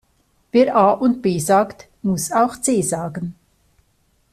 Wer A und B sagt, muss auch C sagen.